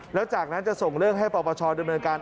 แล้วจากนั้นจะส่งเลือกให้ประชาโดยเมืองการ